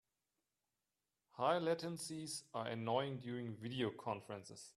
High latencies are annoying during video conferences.